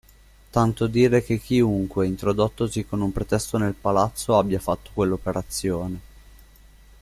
Tanto dire che chiunque, introdottosi con un pretesto nel palazzo, abbia fatto quell'operazione.